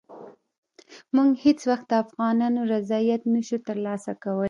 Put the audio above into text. موږ هېڅ وخت د افغانانو رضایت نه شو ترلاسه کولای.